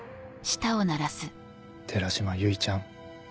寺島唯ちゃん。